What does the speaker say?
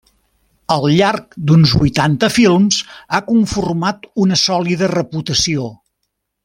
Al llarg d'uns vuitanta films ha conformat una sòlida reputació.